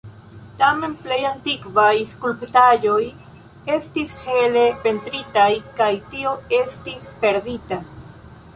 Tamen, plej antikvaj skulptaĵoj estis hele pentritaj, kaj tio estis perdita.